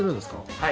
はい。